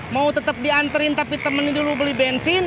mau tetap dianterin tapi temennya dulu beli bensin